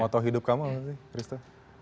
motoh hidup kamu apa sih christo